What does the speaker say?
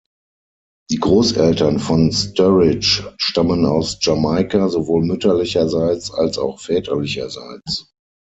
Die Großeltern von Sturridge stammen aus Jamaika, sowohl mütterlicherseits als auch väterlicherseits.